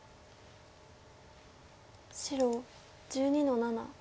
白１２の七。